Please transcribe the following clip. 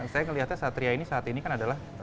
saya melihatnya satria ini saat ini kan adalah